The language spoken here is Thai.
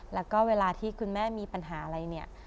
แล้วก็เวลาที่คุณแม่มีปัญหาอะไรเนี่ย